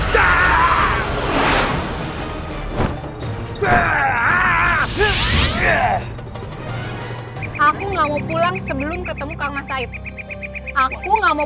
kau itu baru pola mahasiswa kamu